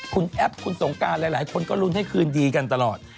คุณแอปคุณสงการหลายคนก็ลุ้นให้คืนดีกันตลอด